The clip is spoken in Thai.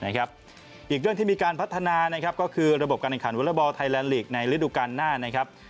อีกเรื่องที่มีการพัฒนาก็คือระบบการอังคารวอเลอร์บอลไทยแลนด์ลีกในฤดูกรรณ์หน้า